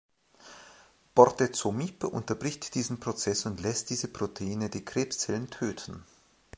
Bortezomib unterbricht diesen Prozess und lässt diese Proteine die Krebszellen töten.